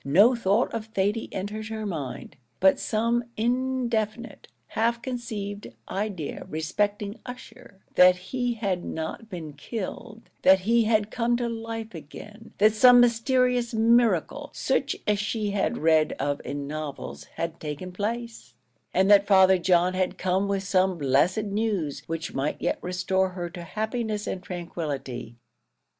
No thought of Thady entered her mind; but some indefinite, half conceived idea respecting Ussher that he had not been killed that he had come to life again that some mysterious miracle, such as she had read of in novels, had taken place; and that Father John had come with some blessed news, which might yet restore her to happiness and tranquillity.